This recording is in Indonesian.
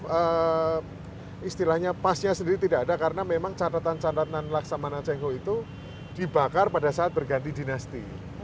karena istilahnya pasnya sendiri tidak ada karena memang catatan catatan laksamana cengho itu dibakar pada saat berganti dinasti